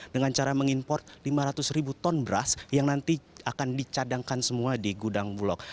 dengan cara mengimport lima ratus ribu ton beras yang nanti akan dicadangkan semua di gudang bulog